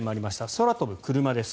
空飛ぶクルマです。